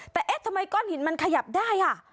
แต่เอ๊ะทำไมก้อนหินมันขยับได้อ่ะ